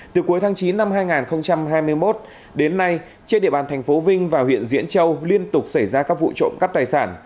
từ cuối tháng chín năm hai nghìn hai mươi một đến nay trên địa bàn thành phố vinh và huyện diễn châu liên tục xảy ra các vụ trộm cắp tài sản